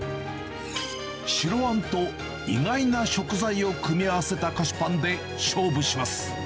白あんと意外な食材を組み合わせた菓子パンで勝負します。